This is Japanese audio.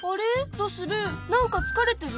ドスルなんかつかれてる？